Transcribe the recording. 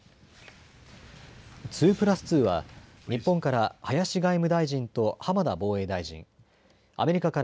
２プラス２は日本から林外務大臣と浜田防衛大臣、アメリカから